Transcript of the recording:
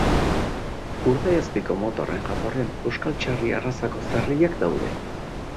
Urdaiazpiko mota horren jatorrian euskal txerria arrazako zerriak daude.